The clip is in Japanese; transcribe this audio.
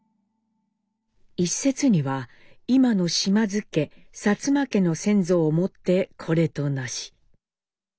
「一説には今の嶋津家薩摩家の先祖を以てこれとなし。